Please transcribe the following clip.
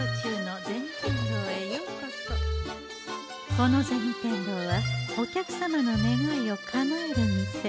この銭天堂はお客様の願いをかなえる店。